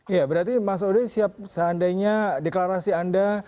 ya berarti mas ode siap seandainya deklarasi anda